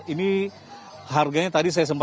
ini harganya tadi saya sempat